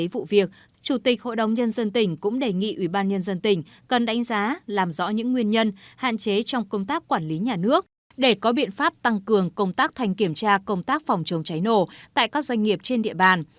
trong vụ việc chủ tịch hội đồng nhân dân tỉnh cũng đề nghị ubnd tỉnh cần đánh giá làm rõ những nguyên nhân hạn chế trong công tác quản lý nhà nước để có biện pháp tăng cường công tác thành kiểm tra công tác phòng chống cháy nổ tại các doanh nghiệp trên địa bàn